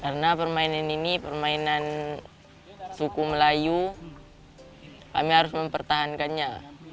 karena permainan ini permainan suku melayu kami harus mempertahankannya